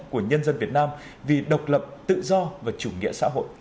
của nhân dân việt nam vì độc lập tự do và chủ nghĩa xã hội